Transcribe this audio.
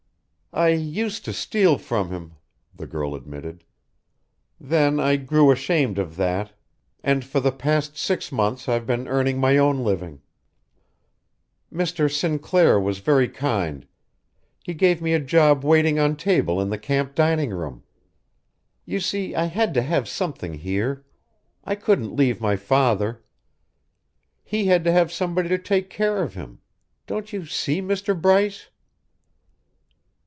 "I used to steal from him," the girl admitted. "Then I grew ashamed of that, and for the past six months I've been earning my own living. Mr. Sinclair was very kind. He gave me a job waiting on table in the camp dining room. You see, I had to have something here. I couldn't leave my father. He had to have somebody to take care of him. Don't you see, Mr. Bryce?"